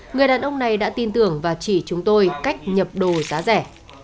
người đàn ông này đã tin tưởng và chỉ chúng tôi cách nhập đồ giá rẻ